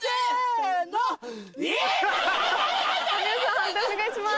判定お願いします。